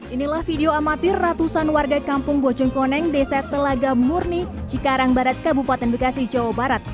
inilah video amatir ratusan warga kampung bojongkoneng desa telaga murni cikarang barat kabupaten bekasi jawa barat